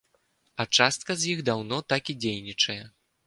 А частка з іх даўно так і дзейнічае.